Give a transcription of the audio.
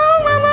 aku gak mau